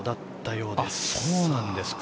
そうなんですか。